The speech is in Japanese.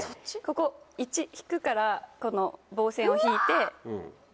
ここ１引くからこの棒線を引いて。